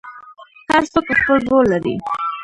هر څوک خپل رول لري